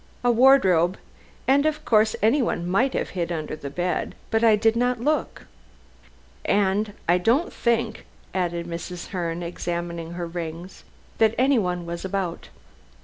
A wardrobe, and of course anyone might have hid under the bed, but I did not look. And I don't think," added Mrs. Herne, examining her rings, "that anyone was about.